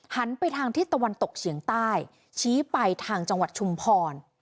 หันไปทางทิศตะวันตกเฉียงใต้ชี้ไปทางจังหวัดชุมพร